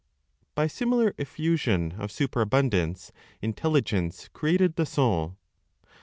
BY SIMILAR EFFUSION OF SUPERABUNDANCE INTELLIGENCE CREATED THE SOUL.